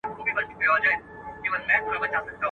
هغوی به هيڅکله خپله لور په ناپېژانده ځای کي ورنکړي.